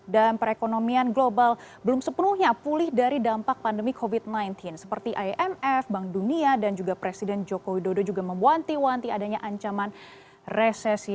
dan perekonomian global belum sepenuhnya pulih dari dampak pandemi covid sembilan belas seperti imf bank dunia dan juga presiden joko widodo juga memuanti muanti adanya ancaman resesi